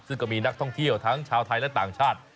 ซึ่งก็มีนักท่องเที่ยวทั้งชาวไทยและต่างชาติ